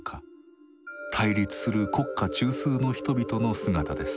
対立する国家中枢の人々の姿です。